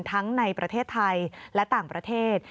ในประเทศไทยและต่างประเทศ